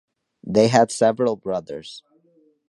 They had several brothers.